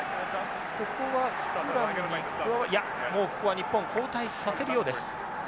ここはスクラムにいやもうここは日本交代させるようです。